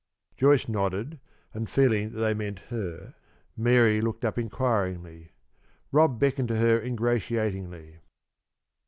Joyce nodded, and feeling that they meant her, Mary looked up inquiringly. Rob beckoned to her ingratiatingly.